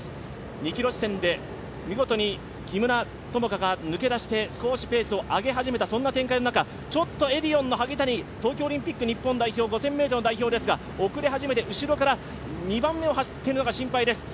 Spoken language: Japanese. ２ｋｍ地点で見事に木村友香が抜け出して、少しペースを上げ始めた中、ちょっとエディオンの萩谷、東京オリンピック５０００ｍの代表ですが、遅れ始めて、後ろから２番目を走っているのが心配です。